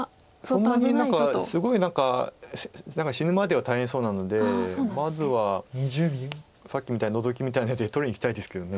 そんなに何かすごい何か死ぬまでは大変そうなのでまずはさっきみたいにノゾキみたいな手で取りにいきたいですけど。